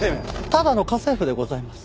ただの家政夫でございます。